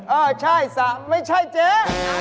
เออใช่สระไม่ใช่เจ๊